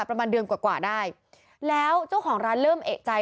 ประมาณเดือนกว่ากว่าได้แล้วเจ้าของร้านเริ่มเอกใจ